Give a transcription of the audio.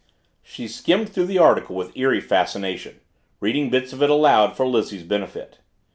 She skimmed through the article with eerie fascination, reading bits of it aloud for Lizzie's benefit.